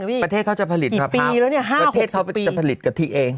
กี่ปีแล้วประเทศเขาจะผลิตกะทิเอง